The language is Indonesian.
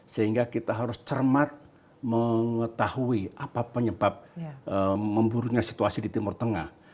sehingga kita harus cermat mengetahui apa penyebab memburuknya situasi di timur tengah